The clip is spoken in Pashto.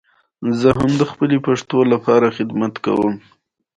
رومیان د بورې نه پاک وي